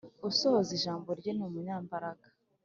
Usohoza ijambo rye ni umunyambaraga